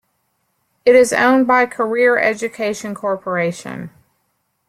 It is owned by Career Education Corporation.